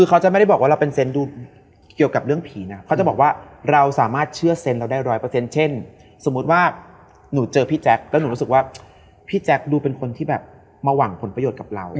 ก็คือตอนนี้หนูรู้สึกว่าพี่แจ๊กดูเป็นคนที่แบบมาหวั่งผลประโยชน์กับเรา